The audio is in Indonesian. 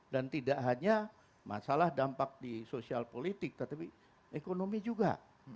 dan tidak hanya masalah dampak di sosial politik tetapi ekonomi juga